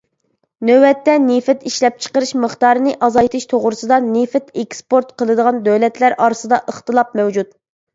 نۆۋەتتە نېفىت ئىشلەپچىقىرىش مىقدارىنى ئازايتىش توغرىسىدا نېفىت ئېكسپورت قىلىدىغان دۆلەتلەر ئارىسىدا ئىختىلاپ مەۋجۇت.